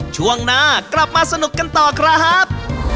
ช่วงหน้ากลับมาสนุกกันต่อครับ